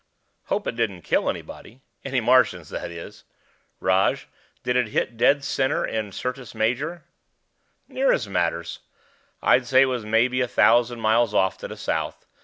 "Hope it didn't kill anybody. Any Martians, that is. Rog, did it hit dead center in Syrtis Major?" "Near as matters. I'd say it was maybe a thousand miles off, to the south.